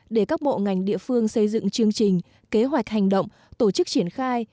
để các bộ ngành địa phương xây dựng chương trình kế hoạch hành động tổ chức triển khai